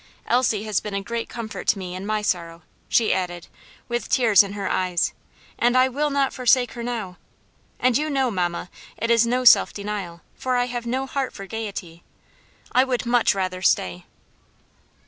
Elsie has been a great comfort to me in my sorrow," she added, with tears in her eyes, "and I will not forsake her now; and you know, mamma, it is no self denial, for I have no heart for gayety. I would much rather stay."